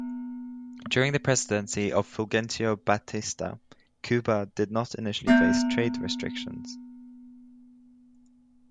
During the Presidency of Fulgencio Batista, Cuba did not initially face trade restrictions.